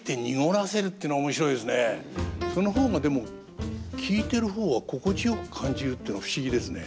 その方がでも聞いてる方は心地よく感じるってのは不思議ですね。